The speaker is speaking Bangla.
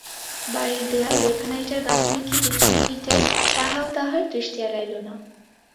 বাড়ির দেয়াল দেড়খানা ইঁটের গাঁথনি কি দুইখান ইঁটের তাহাও তাহার দৃষ্টি এড়াইল না।